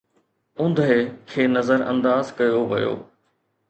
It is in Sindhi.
اوندهه کي نظرانداز ڪيو ويو